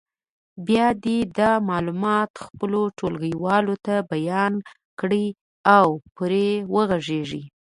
بیا دې دا معلومات خپلو ټولګیوالو ته بیان کړي او پرې وغږېږي.